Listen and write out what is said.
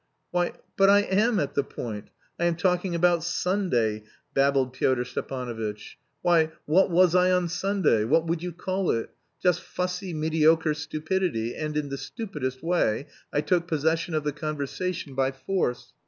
"Why, but I am at the point! I am talking about Sunday," babbled Pyotr Stepanovitch. "Why, what was I on Sunday? What would you call it? Just fussy, mediocre stupidity, and in the stupidest way I took possession of the conversation by force.